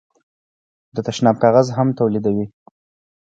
د تشناب کاغذ هم تولیدوي.